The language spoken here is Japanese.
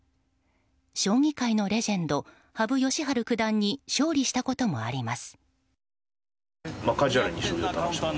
将棋界のレジェンド羽生善治九段に勝利したこともあります。